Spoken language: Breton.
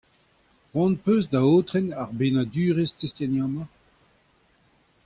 Cʼhoant hocʼh eus da aotren ar bennadurezh testeniañ-mañ ?